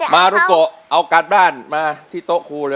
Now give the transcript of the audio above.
มารุโกะเอาการบ้านมาที่โต๊ะครูเลย